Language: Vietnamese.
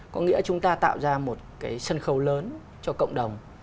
có nghĩa chúng ta tạo ra một cái sân khấu lớn cho cộng đồng